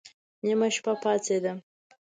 نيمه شپه پاڅېدم.